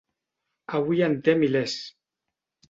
Avui en té milers.